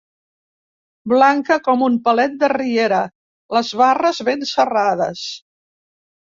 Blanca com un palet de riera, les barres ben serrades.